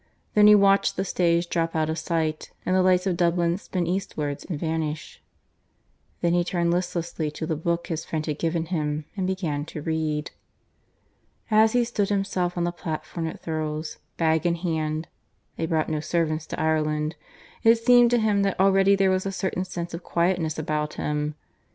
Then he watched the stage drop out of sight, and the lights of Dublin spin eastwards and vanish. Then he turned listlessly to the book his friend had given him, and began to read. As he stood himself on the platform at Thurles, bag in hand (they brought no servants to Ireland), it seemed to him that already there was a certain sense of quietness about him.